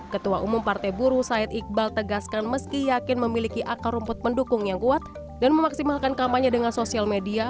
ketua umum partai buru said iqbal tegaskan meski yakin memiliki akar rumput pendukung yang kuat dan memaksimalkan kampanye dengan sosial media